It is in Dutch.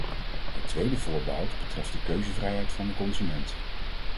Het tweede voorbehoud betreft de keuzevrijheid van de consument.